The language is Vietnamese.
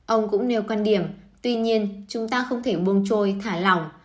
ông cũng nêu quan điểm tuy nhiên chúng ta không thể buông trôi thả lỏng